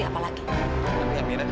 pikirin amira juga